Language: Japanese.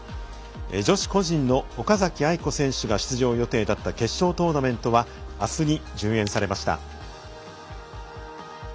女子個人の岡崎愛子選手が出場予定だった決勝トーナメントはあすに順延されました。